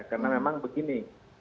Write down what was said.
karena memang begini